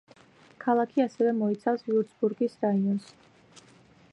ქალაქი ასევე მოიცავს ვიურცბურგის რაიონს.